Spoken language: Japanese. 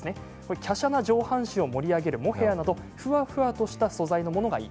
きゃしゃな上半身を盛り上げるモヘアなどふわふわとした素材のものがいい。